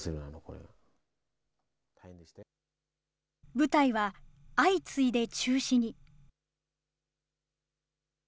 舞台は相次いで中止に。